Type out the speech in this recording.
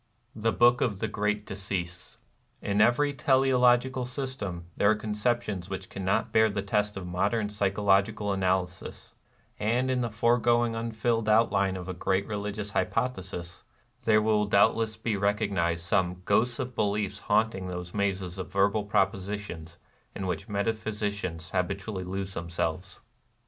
The Book of the Great Decease. In every teleological system there are con ceptions which cannot bear the test of modern psychological analysis, and in the foregoing unfilled outline of a great religious hypo thesis there wiU doubtless be recognized some "ghosts of beliefs haunting those mazes of verbal propositions in which metaphysicians habitually lose themselves."